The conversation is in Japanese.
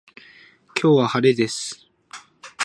今日は晴れです